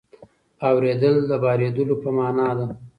اورېدل د بارېدلو په مانا ده.